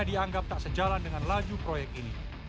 dianggap tak sejalan dengan laju proyek ini